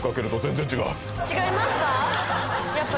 違いますか？